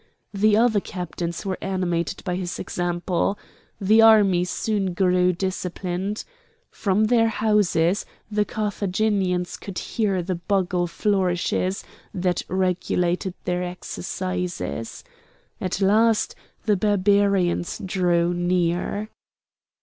The other captains were animated by his example. The army soon grew disciplined. From their houses the Carthaginians could hear the bugle flourishes that regulated their exercises. At last the Barbarians drew near.